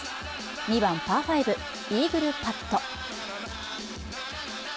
２番パー５、イーグルパット。